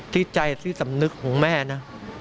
ที่ใจที่สำนึกของแม่นะ